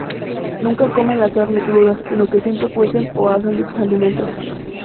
Nunca comen la carne cruda, sino que siempre cuecen o asan dichos alimentos.